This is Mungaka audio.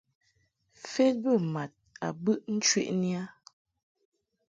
Fed bə mad a bɨʼ ncheʼni a.